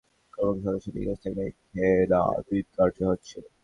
অনেকের পরিবারের একমাত্র কর্মক্ষম সদস্য নিখোঁজ থাকায় খেয়ে না-খেয়ে দিন কাটাতে হচ্ছে।